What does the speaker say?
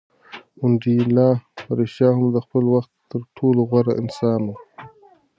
منډېلا په رښتیا هم د خپل وخت تر ټولو غوره انسان و.